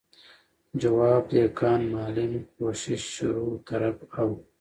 جواب، دهقان، معلم، کوشش، شروع، طرف او ...